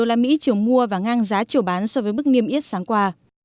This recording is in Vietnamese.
đây là mỹ chiều mua và ngang giá chiều bán so với mức niêm yết sáng qua